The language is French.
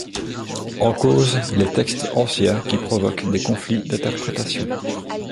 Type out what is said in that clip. En cause, les textes anciens qui provoquent des conflits d'interprétation.